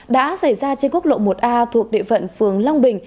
đã xảy ra trên quốc lộ một a thuộc địa phận phường long bình